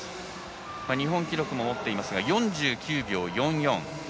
日本記録も持っていますが４９秒４４。